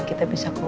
kita bisa keluar